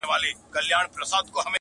یا به مري یا به یې بل څوک وي وژلی!.